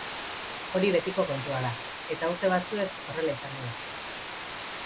Hori betiko kontua da eta urte batzuez horrela izango da.